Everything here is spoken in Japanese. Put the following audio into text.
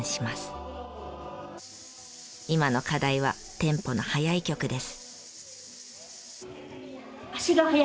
今の課題はテンポの速い曲です。